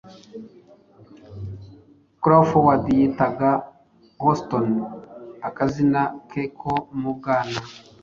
Crawford yitaga Houston akazina ke ko mu bwana, "